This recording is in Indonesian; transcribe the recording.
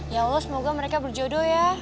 ya allah semoga mereka berjodoh ya